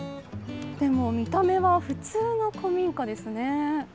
でも見た目は普通の古民家ですね。